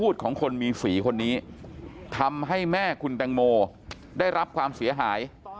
ได้รับความเสียหาย